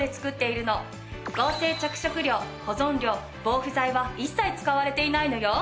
合成着色料保存料防腐剤は一切使われていないのよ。